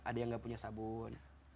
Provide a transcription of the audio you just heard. ada yang nggak punya sabun